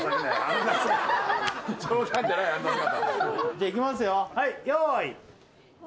じゃあいきますよよい。